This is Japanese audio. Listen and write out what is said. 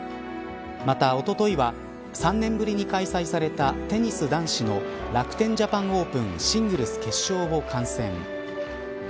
また、おとといは３年ぶりに開催されたテニス男子の楽天・ジャパン・オープンシングルス決勝を観戦。